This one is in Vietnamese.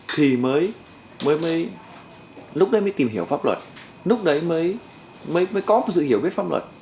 thì mới lúc đấy mới tìm hiểu pháp luật lúc đấy mới có dự hiểu biết pháp luật